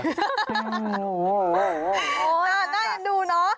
น่าจะดูเนอะ